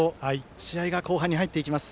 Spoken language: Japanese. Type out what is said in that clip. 試合が後半に入っていきます。